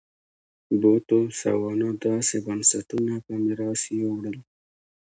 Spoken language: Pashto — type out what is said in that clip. بوتسوانا داسې بنسټونه په میراث یووړل.